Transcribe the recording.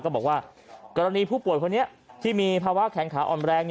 บอกว่ากรณีผู้ป่วยคนนี้ที่มีภาวะแขนขาอ่อนแรง